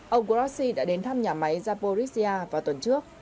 ông grossi đã đến thăm nhà máy zaporizhia vào tuần trước